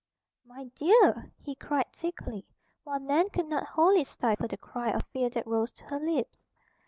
"My dear!" he cried thickly; while Nan could not wholly stifle the cry of fear that rose to her lips.